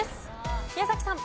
宮崎さん。